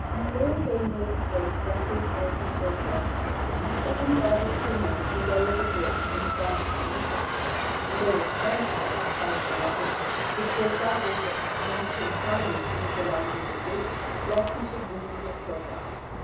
My lord Yvain made his way directly toward the fortified place, and seven varlets came out who lowered the bridge and advanced to meet him. But they were terrified at sight of the lion, which they saw with him, and asked him kindly to leave the lion at the gate lest he should wound or kill them.